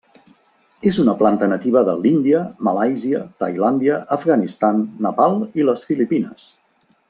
És una planta nativa de l'Índia, Malàisia, Tailàndia, Afganistan, Nepal i les Filipines.